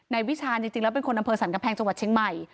วิชาณจริงแล้วเป็นคนอำเภอสรรกำแพงจังหวัดเชียงใหม่